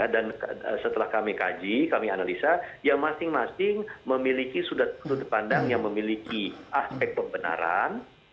dan setelah kami kaji kami analisa ya masing masing memiliki sudut pandang yang memiliki aspek pembenaran